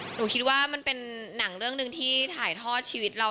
หนูคิดว่ามันเป็นหนังเรื่องหนึ่งที่ถ่ายทอดชีวิตเรา